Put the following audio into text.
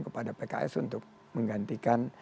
kepada pks untuk menggantikan